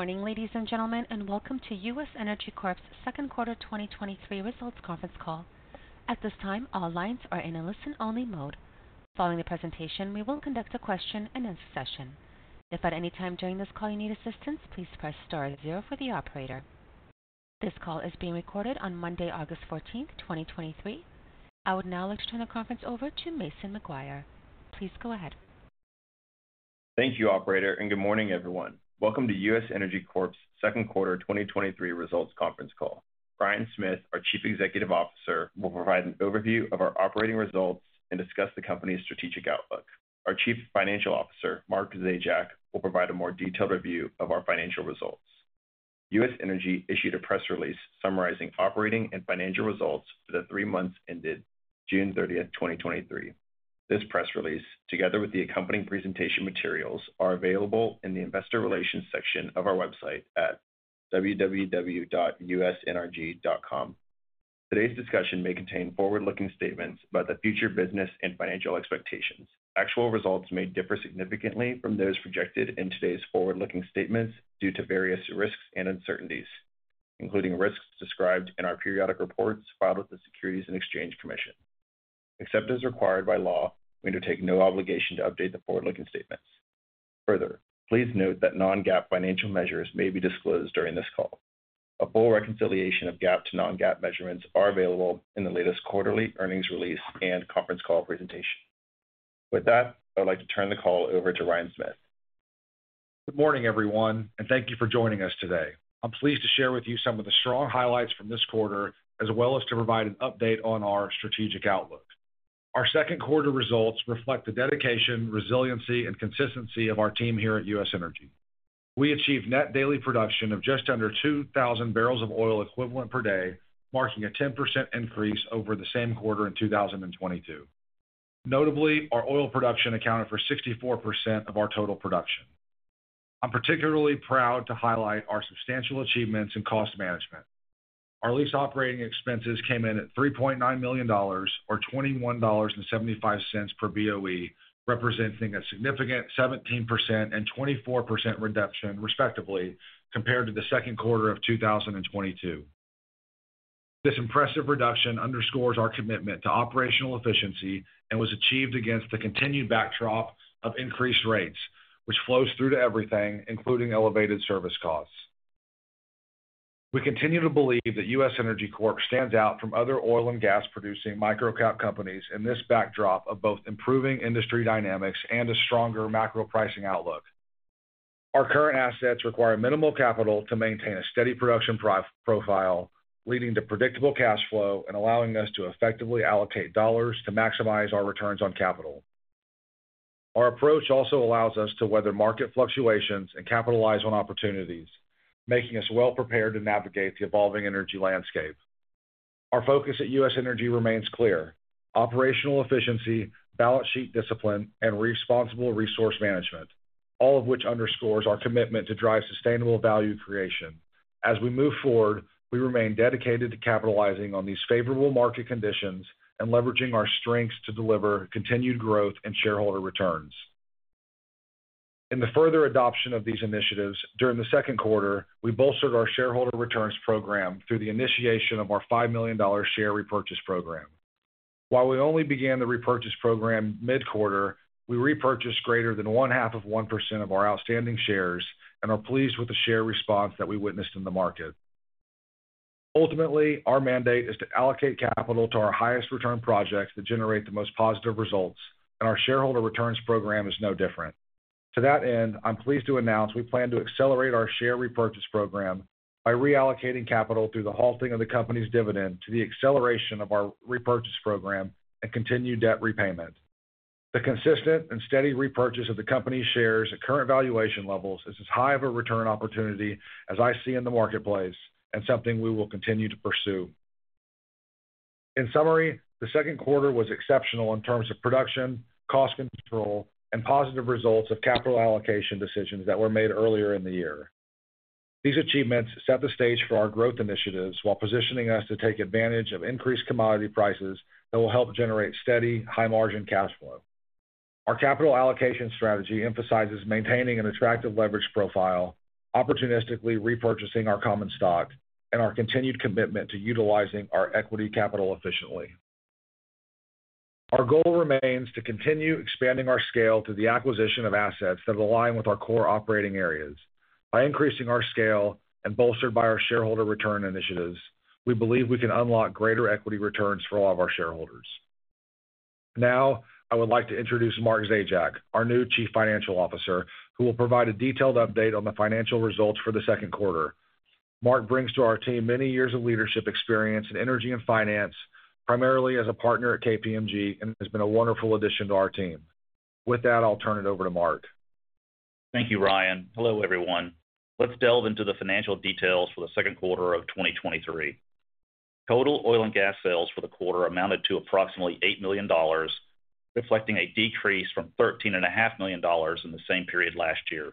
Good morning, ladies and gentlemen, welcome to U.S. Energy Corp.'s second quarter 2023 results conference call. At this time, all lines are in a listen-only mode. Following the presentation, we will conduct a question-and-answer session. If at any time during this call you need assistance, please press star zero for the operator. This call is being recorded on Monday, August 14th, 2023. I would now like to turn the conference over to Mason McGuire. Please go ahead. Thank you, operator. Good morning, everyone. Welcome to U.S. Energy Corp.'s second quarter 2023 results conference call. Ryan Smith, our Chief Executive Officer, will provide an overview of our operating results and discuss the company's strategic outlook. Our Chief Financial Officer, Mark Zajac, will provide a more detailed review of our financial results. U.S. Energy issued a press release summarizing operating and financial results for the three months ended June thirtieth, 2023. This press release, together with the accompanying presentation materials, are available in the investor relations section of our website at www.usnrg.com. Today's discussion may contain forward-looking statements about the future business and financial expectations. Actual results may differ significantly from those projected in today's forward-looking statements due to various risks and uncertainties, including risks described in our periodic reports filed with the Securities and Exchange Commission. Except as required by law, we undertake no obligation to update the forward-looking statements. Further, please note that non-GAAP financial measures may be disclosed during this call. A full reconciliation of GAAP to non-GAAP measurements are available in the latest quarterly earnings release and conference call presentation. With that, I would like to turn the call over to Ryan Smith. Good morning, everyone. Thank you for joining us today. I'm pleased to share with you some of the strong highlights from this quarter, as well as to provide an update on our strategic outlook. Our second quarter results reflect the dedication, resiliency, and consistency of our team here at U.S. Energy. We achieved net daily production of just under 2,000 barrels of oil equivalent per day, marking a 10% increase over the same quarter in 2022. Notably, our oil production accounted for 64% of our total production. I'm particularly proud to highlight our substantial achievements in cost management. Our lease operating expenses came in at $3.9 million, or $21.75 per BOE, representing a significant 17% and 24% reduction, respectively, compared to the second quarter of 2022. This impressive reduction underscores our commitment to operational efficiency and was achieved against the continued backdrop of increased rates, which flows through to everything, including elevated service costs. We continue to believe that U.S. Energy Corp. stands out from other oil and gas-producing micro-cap companies in this backdrop of both improving industry dynamics and a stronger macro pricing outlook. Our current assets require minimal capital to maintain a steady production profile, leading to predictable cash flow and allowing us to effectively allocate dollars to maximize our returns on capital. Our approach also allows us to weather market fluctuations and capitalize on opportunities, making us well-prepared to navigate the evolving energy landscape. Our focus at U.S. Energy remains clear: operational efficiency, balance sheet discipline, and responsible resource management, all of which underscores our commitment to drive sustainable value creation. As we move forward, we remain dedicated to capitalizing on these favorable market conditions and leveraging our strengths to deliver continued growth and shareholder returns. In the further adoption of these initiatives, during the second quarter, we bolstered our shareholder returns program through the initiation of our $5 million share repurchase program. While we only began the repurchase program mid-quarter, we repurchased greater than 0.5% of our outstanding shares and are pleased with the share response that we witnessed in the market. Ultimately, our mandate is to allocate capital to our highest return projects that generate the most positive results, and our shareholder returns program is no different. To that end, I'm pleased to announce we plan to accelerate our share repurchase program by reallocating capital through the halting of the company's dividend to the acceleration of our repurchase program and continued debt repayment. The consistent and steady repurchase of the company's shares at current valuation levels is as high of a return opportunity as I see in the marketplace and something we will continue to pursue. In summary, the second quarter was exceptional in terms of production, cost control, and positive results of capital allocation decisions that were made earlier in the year. These achievements set the stage for our growth initiatives while positioning us to take advantage of increased commodity prices that will help generate steady, high-margin cash flow. Our capital allocation strategy emphasizes maintaining an attractive leverage profile, opportunistically repurchasing our common stock, and our continued commitment to utilizing our equity capital efficiently. Our goal remains to continue expanding our scale through the acquisition of assets that align with our core operating areas. By increasing our scale and bolstered by our shareholder return initiatives, we believe we can unlock greater equity returns for all of our shareholders. Now, I would like to introduce Mark Zajac, our new Chief Financial Officer, who will provide a detailed update on the financial results for the second quarter. Mark brings to our team many years of leadership experience in energy and finance, primarily as a partner at KPMG, and has been a wonderful addition to our team. With that, I'll turn it over to Mark. Thank you, Ryan. Hello, everyone. Let's delve into the financial details for the second quarter of 2023. Total oil and gas sales for the quarter amounted to approximately $8 million, reflecting a decrease from $13.5 million in the same period last year.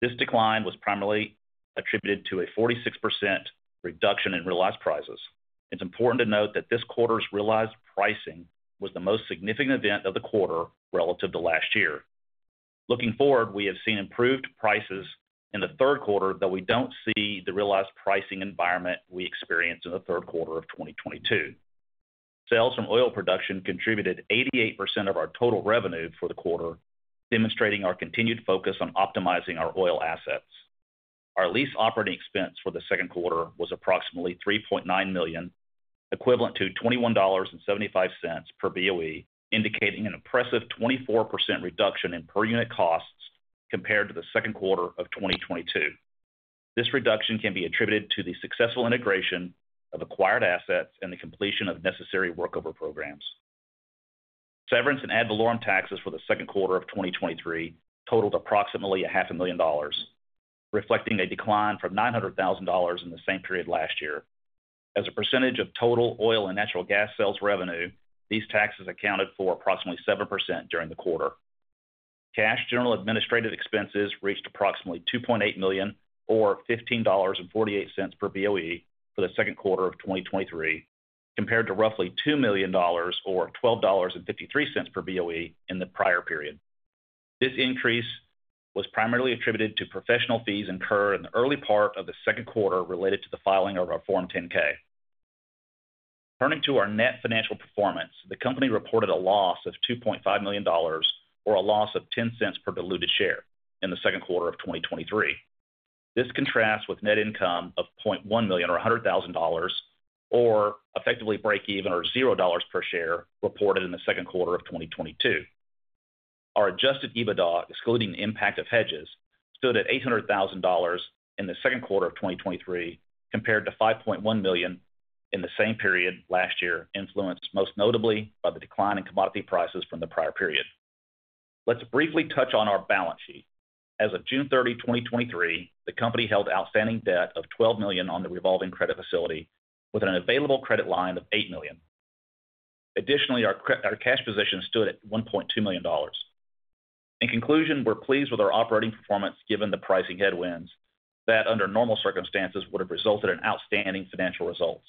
This decline was primarily.... attributed to a 46% reduction in realized prices. It's important to note that this quarter's realized pricing was the most significant event of the quarter relative to last year. Looking forward, we have seen improved prices in the third quarter, though we don't see the realized pricing environment we experienced in the third quarter of 2022. Sales from oil production contributed 88% of our total revenue for the quarter, demonstrating our continued focus on optimizing our oil assets. Our lease operating expenses for the second quarter was approximately $3.9 million, equivalent to $21.75 per BOE, indicating an impressive 24% reduction in per unit costs compared to the second quarter of 2022. This reduction can be attributed to the successful integration of acquired assets and the completion of necessary workover programs. Severance and ad valorem taxes for the second quarter of 2023 totaled approximately $500,000, reflecting a decline from $900,000 in the same period last year. As a percentage of total oil and natural gas sales revenue, these taxes accounted for approximately 7% during the quarter. Cash General Administrative Expenses reached approximately $2.8 million, or $15.48 per BOE for the second quarter of 2023, compared to roughly $2 million, or $12.53 per BOE in the prior period. This increase was primarily attributed to professional fees incurred in the early part of the second quarter related to the filing of our Form 10-K. Turning to our net financial performance, the company reported a loss of $2.5 million, or a loss of $0.10 per diluted share in the second quarter of 2023. This contrasts with net income of $0.1 million, or $100,000, or effectively break even, or $0 per share reported in the second quarter of 2022. Our adjusted EBITDA, excluding the impact of hedges, stood at $800,000 in the second quarter of 2023, compared to $5.1 million in the same period last year, influenced most notably by the decline in commodity prices from the prior period. Let's briefly touch on our balance sheet. As of June 30, 2023, the company held outstanding debt of $12 million on the revolving credit facility with an available credit line of $8 million. Additionally, our cash position stood at $1.2 million. In conclusion, we're pleased with our operating performance, given the pricing headwinds that, under normal circumstances, would have resulted in outstanding financial results.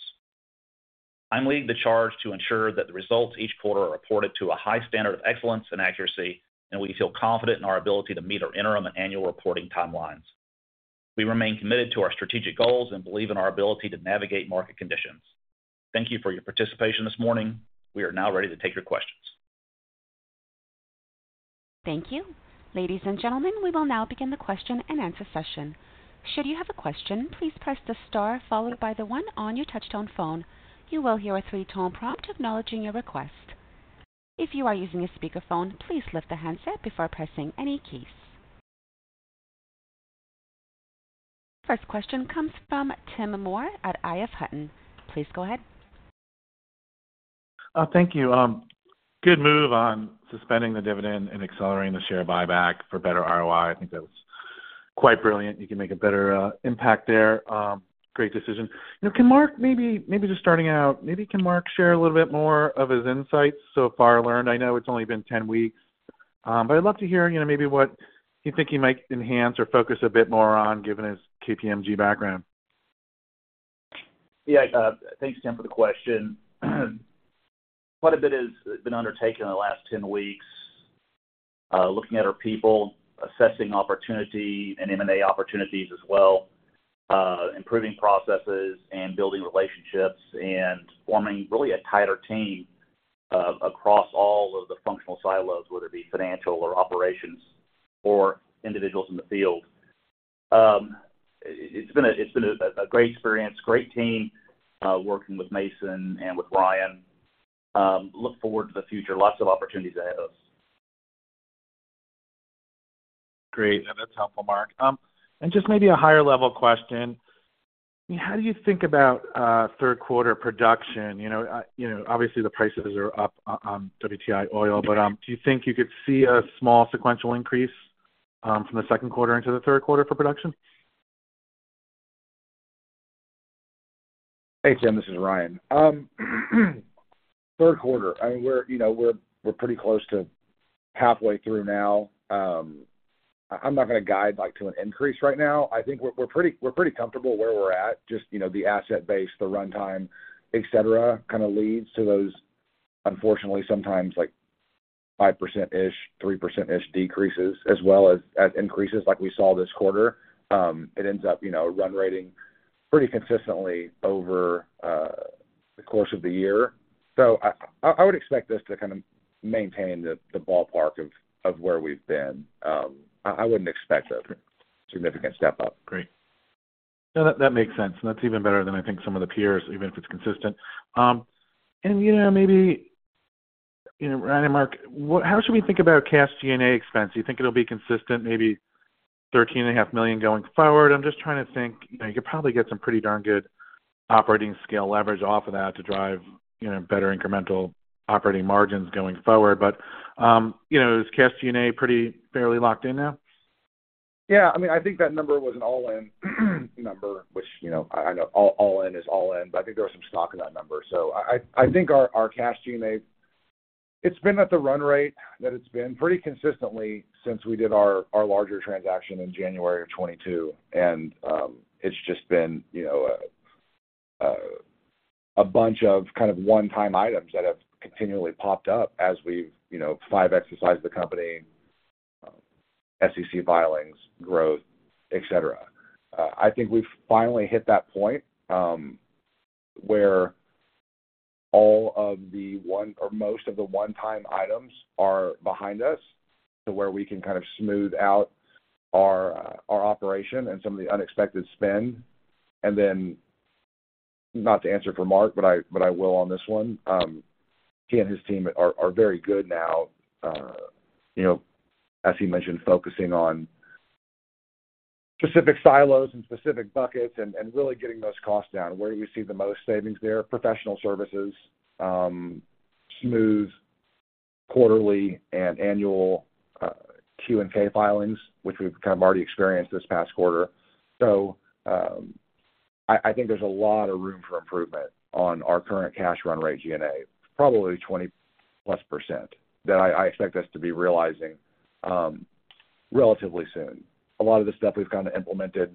I'm leading the charge to ensure that the results each quarter are reported to a high standard of excellence and accuracy. We feel confident in our ability to meet our interim and annual reporting timelines. We remain committed to our strategic goals and believe in our ability to navigate market conditions. Thank you for your participation this morning. We are now ready to take your questions. Thank you. Ladies and gentlemen, we will now begin the question-and-answer session. Should you have a question, please press the star followed by the 1 on your touchtone phone. You will hear a 3-tone prompt acknowledging your request. If you are using a speakerphone, please lift the handset before pressing any keys. First question comes from Tim Moore at EF Hutton. Please go ahead. Thank you. Good move on suspending the dividend and accelerating the share buyback for better ROI. I think that was quite brilliant. You can make a better impact there. Great decision. Now, can Mark maybe, maybe just starting out, maybe can Mark share a little bit more of his insights so far learned? I know it's only been 10 weeks, but I'd love to hear, you know, maybe what you think he might enhance or focus a bit more on, given his KPMG background. Yeah, thanks, Tim, for the question. Quite a bit has been undertaken in the last 10 weeks. Looking at our people, assessing opportunity and M&A opportunities as well, improving processes and building relationships, and forming really a tighter team across all of the functional silos, whether it be financial or operations or individuals in the field. It's been a, it's been a, a great experience, great team, working with Mason and with Ryan. Look forward to the future. Lots of opportunities ahead of us. Great. That's helpful, Mark. Just maybe a higher level question, how do you think about third quarter production? Obviously, the prices are up on WTI oil, but do you think you could see a small sequential increase from the second quarter into the third quarter for production? Hey, Tim, this is Ryan. Third quarter, I mean, we're, you know, we're, we're pretty close to halfway through now. I'm not going to guide, like, to an increase right now. I think we're, we're pretty, we're pretty comfortable where we're at. Just, you know, the asset base, the runtime, et cetera, kind of leads to those unfortunately, sometimes like 5%-ish, 3%-ish decreases as well as, as increases like we saw this quarter. It ends up, you know, run rating pretty consistently over the course of the year. I, I would expect us to kind of maintain the, the ballpark of, of where we've been. I, I wouldn't expect a significant step up. Great. No, that, that makes sense. That's even better than I think some of the peers, even if it's consistent. You know, maybe, you know, Ryan and Mark, what? How should we think about cash G&A expense? Do you think it'll be consistent, maybe $13.5 million going forward? I'm just trying to think. You could probably get some pretty darn good operating scale leverage off of that to drive, you know, better incremental operating margins going forward. You know, is cash G&A pretty fairly locked in now? Yeah, I mean, I think that number was an all-in number, which, you know, I know all, all-in is all in, but I think there was some stock in that number. I, I, I think our, our cash G&A. It's been at the run rate that it's been pretty consistently since we did our, our larger transaction in January of 2022. It's just been, you know, a bunch of kind of one-time items that have continually popped up as we've, you know, five exercised the company, SEC filings, growth, et cetera. I think we've finally hit that point, where all of the one- or most of the one-time items are behind us, to where we can kind of smooth out our, our operation and some of the unexpected spend. Not to answer for Mark, but I, but I will on this one, he and his team are, are very good now. You know, as he mentioned, focusing on specific silos and specific buckets and, and really getting those costs down. Where do we see the most savings there? Professional services, smooth quarterly and annual, Q and K filings, which we've kind of already experienced this past quarter. I, I think there's a lot of room for improvement on our current cash run rate G&A, probably 20+%, that I, I expect us to be realizing, relatively soon. A lot of the stuff we've kind of implemented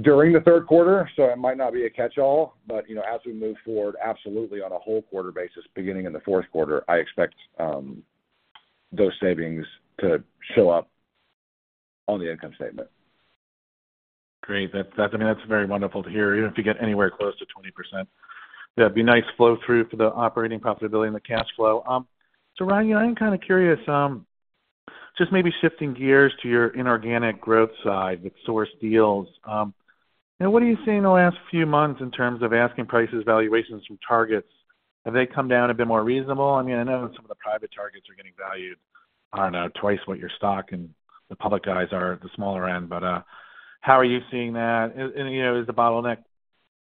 during the third quarter, so it might not be a catch-all, but, you know, as we move forward, absolutely, on a whole quarter basis, beginning in the fourth quarter, I expect those savings to show up on the income statement. Great. That, that's, I mean, that's very wonderful to hear, even if you get anywhere close to 20%. That'd be nice flow-through for the operating profitability and the cash flow. Ryan, I'm kind of curious, just maybe shifting gears to your inorganic growth side with source deals. You know, what are you seeing in the last few months in terms of asking prices, valuations from targets? Have they come down a bit more reasonable? I mean, I know that some of the private targets are getting valued, I don't know, 2x what your stock and the public guys are at the smaller end. How are you seeing that? You know, is the bottleneck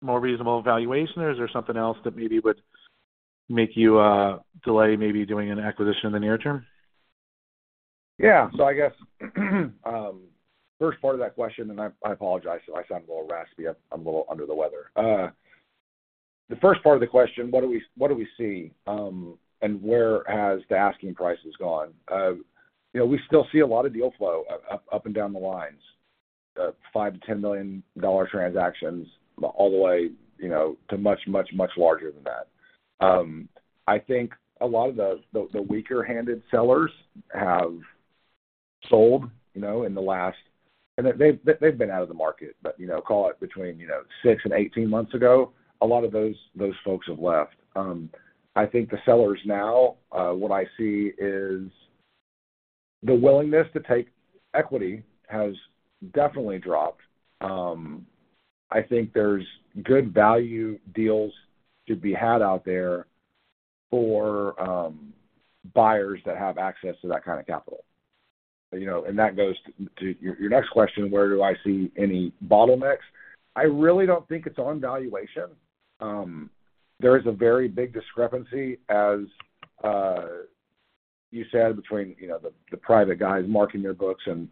more reasonable valuation, or is there something else that maybe would make you delay maybe doing an acquisition in the near term? Yeah. I guess, first part of that question, and I, I apologize if I sound a little raspy. I'm, I'm a little under the weather. The first part of the question, what do we, what do we see, and where has the asking prices gone? You know, we still see a lot of deal flow up, up, up and down the lines, $5 million-$10 million transactions all the way, you know, to much, much, much larger than that. I think a lot of the, the, the weaker-handed sellers have sold, you know, in the last... They've, they've been out of the market, but, you know, call it between, you know, 6 and 18 months ago, a lot of those, those folks have left. I think the sellers now, what I see is the willingness to take equity has definitely dropped. I think there's good value deals to be had out there for buyers that have access to that kind of capital. You know, and that goes to, to your, your next question, where do I see any bottlenecks? I really don't think it's on valuation. There is a very big discrepancy, as you said, between, you know, the, the private guys marking their books and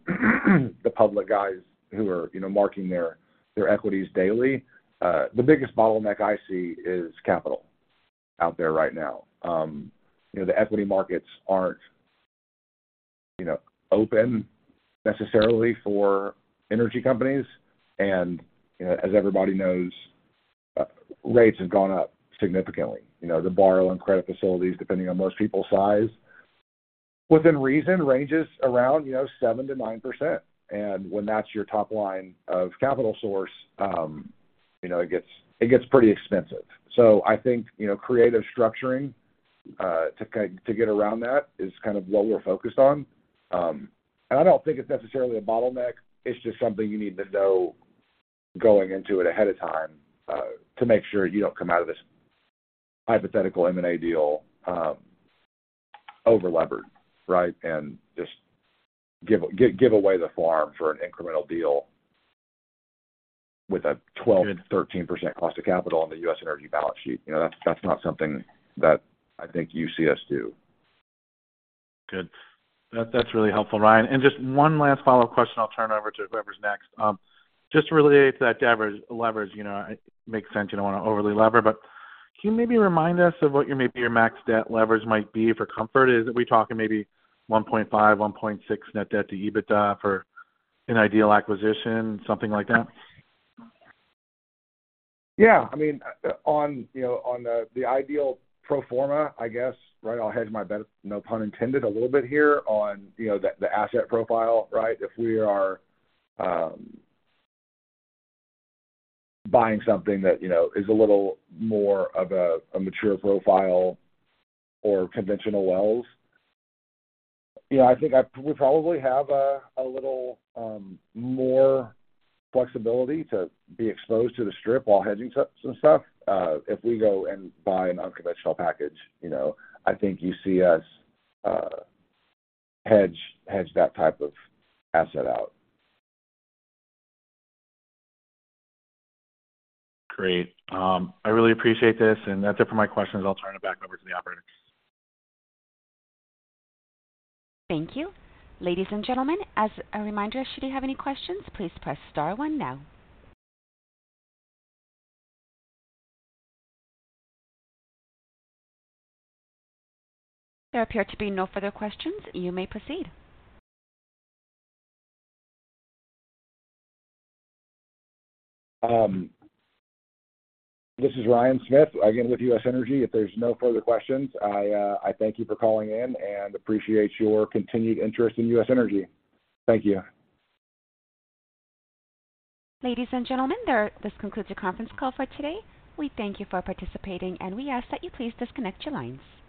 the public guys who are, you know, marking their, their equities daily. The biggest bottleneck I see is capital out there right now. You know, the equity markets aren't, you know, open necessarily for energy companies. As everybody knows, rates have gone up significantly. You know, the borrowing credit facilities, depending on most people's size, within reason, ranges around, you know, 7%-9%. When that's your top line of capital source, you know, it gets, it gets pretty expensive. I think, you know, creative structuring to get around that is kind of what we're focused on. I don't think it's necessarily a bottleneck. It's just something you need to know going into it ahead of time to make sure you don't come out of this hypothetical M&A deal overlevered, right? Just give, give, give away the farm for an incremental deal with a 12%-13% cost of capital on the U.S. Energy balance sheet. You know, that's, that's not something that I think you see us do. Good. That, that's really helpful, Ryan. Just one last follow-up question, I'll turn it over to whoever's next. Just related to that leverage, leverage, you know, it makes sense you don't want to overly lever, but can you maybe remind us of what your maybe your max debt leverage might be for comfort? Is it we talking maybe 1.5, 1.6 net debt to EBITDA for an ideal acquisition, something like that? Yeah. I mean, on, you know, on the, the ideal pro forma, I guess, right, I'll hedge my bet, no pun intended, a little bit here on, you know, the, the asset profile, right? If we are buying something that, you know, is a little more of a, a mature profile or conventional wells, you know, I think we probably have a little more flexibility to be exposed to the strip while hedging some stuff. If we go and buy an unconventional package, you know, I think you see us hedge, hedge that type of asset out. Great. I really appreciate this, and that's it for my questions. I'll turn it back over to the operator. Thank you. Ladies and gentlemen, as a reminder, should you have any questions, please press star 1 now. There appear to be no further questions. You may proceed. This is Ryan Smith again with U.S. Energy. If there's no further questions, I, I thank you for calling in and appreciate your continued interest in U.S. Energy. Thank you. Ladies and gentlemen, this concludes the conference call for today. We thank you for participating. We ask that you please disconnect your lines.